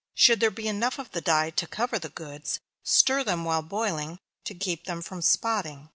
There should be enough of the dye to cover the goods stir them while boiling, to keep them from spotting.